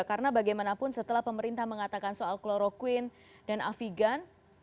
karena bagaimanapun setelah pemerintah mengatakan soal koroquin dan afigan